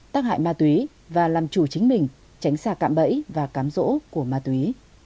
tác hại ma túy và làm chủ chính mình tránh xa cạm bẫy và cám rỗ của ma túy